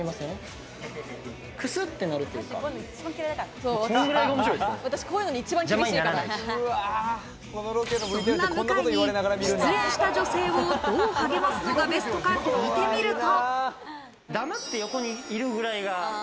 そんな向井に失恋した女性をどう励ますのがベストか聞いてみると。